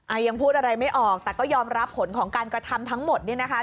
ยังพูดอะไรไม่ออกแต่ก็ยอมรับผลของการกระทำทั้งหมดเนี่ยนะคะ